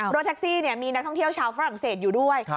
รถแท็กซี่มีนักท่องเที่ยวชาวฝรั่งเศสอยู่ด้วย